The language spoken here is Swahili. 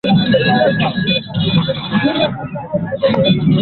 Alipoinama kulichukua alisikia mlio wa risasi